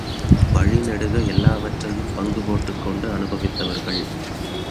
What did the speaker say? வழிநெடுக எல்லாவற்றையும் பங்கு போட்டுக்கொண்டு அனுபவித்தவர்கள்.